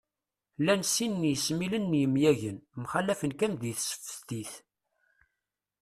Llan sin n yesmilen n yemyagen, mxallafen kan di tseftit